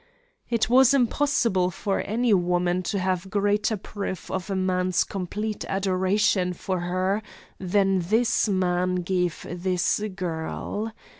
It was impossible for any woman to have greater proof of a man's complete adoration for her than this man gave this girl.